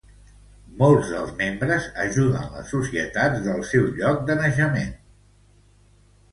Molts dels membres ajudar les societats del seu lloc de naixement.